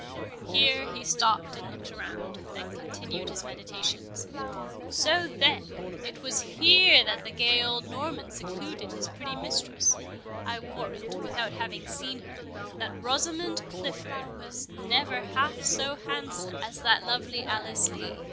Here he stopped and looked around, then continued his meditations—"So, then, it was here that the gay old Norman secluded his pretty mistress—I warrant, without having seen her, that Rosamond Clifford was never half so handsome as that lovely Alice Lee.